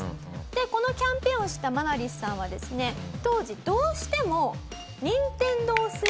でこのキャンペーンを知ったマナリスさんはですね当時どうしても。